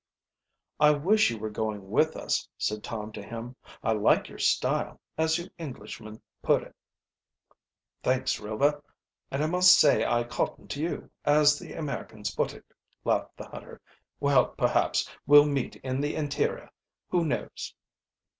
"I wish you were going with us," said Tom to him. "I like your style, as you Englishman put it." "Thanks, Rover, and I must say I cotton to you, as the Americans put it," laughed the hunter. "Well, perhaps we'll meet in the interior, who knows?"